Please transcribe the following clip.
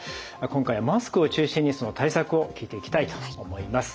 今回はマスクを中心にその対策を聞いていきたいと思います。